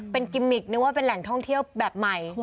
เป็นกิมมิกนึกว่าเป็นแหล่งท่องเที่ยวแบบใหม่